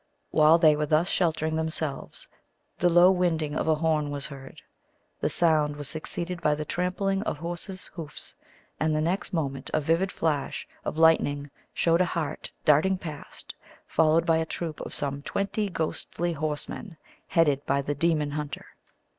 While they were thus sheltering themselves, the low winding of a horn was heard. The sound was succeeded by the trampling of horses' hoofs, and the next moment a vivid flash of lightning showed a hart darting past, followed by a troop of some twenty ghostly horsemen, headed by the demon hunter.